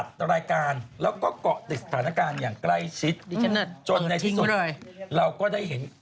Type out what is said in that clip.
บัรซาเช่มาจัดหน่อยก็เออ